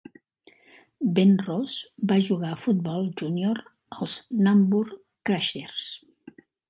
Ben Ross va jugar a futbol júnior als Nambour Crushers.